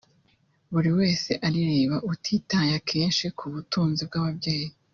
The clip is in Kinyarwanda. buri wese arireba utitaye akenshi ku butunzi bw’ababyeyi